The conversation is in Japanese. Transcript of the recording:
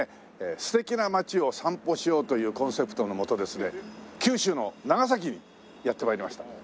素敵な町を散歩しようというコンセプトのもとですね九州の長崎にやって参りました。